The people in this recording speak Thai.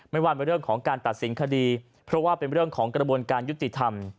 ไม่ว่าเป็นเรื่องของการตัดสินคดีเพราะว่าเป็นเรื่องของกระบวนการยุติธรรม